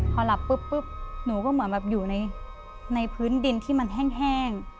พอหลับปุ๊บหนูก็เหมือนแบบอยู่ในพื้นดินที่มันแห้ง